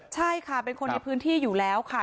ใช่ค่ะเป็นคนในพื้นที่อยู่แล้วค่ะ